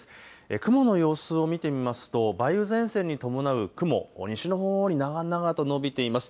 雲の様子を見てみますと梅雨前線に伴う雲、西のほうに長々と延びています。